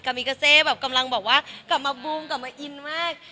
มิกาเซแบบกำลังบอกว่ากลับมาบูมกลับมาอินมาก